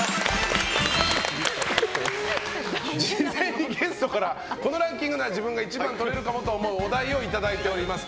事前にゲストからこのランキングなら自分が一番とれるかもと思うお題をいただいております。